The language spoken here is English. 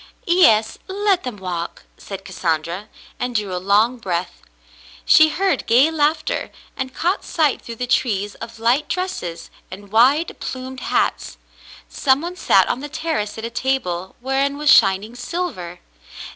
"Yes, let them walk," said Cassandra, and drew a long breath. She heard gay laughter, and caught sight through the trees of light dresses and wide, plumed hats. Some one sat on the terrace at a table whereon was shining silver.